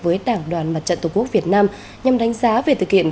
với đảng đoàn mặt trận tổ quốc việt nam nhằm đánh giá về thực hiện